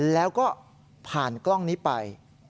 แล้วก็ผ่านกล้องนี้ไป